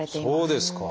そうですか！